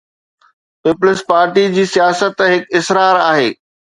Peoples Party جي سياست هڪ اسرار آهي.